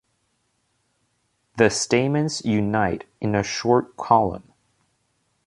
The stamens unite in a short column.